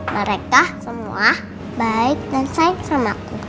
mereka semua baik dan sayang sama aku